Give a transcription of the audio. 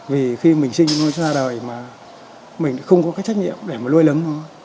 vì khi mình sinh ra đời mà mình không có cái trách nhiệm để nuôi lớn